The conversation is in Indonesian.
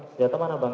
senjata mana bang